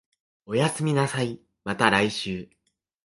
おやすみなさい、また来週